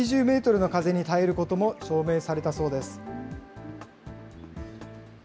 強度実験では、風速８０メートルの風に耐えることも証明されたそうです。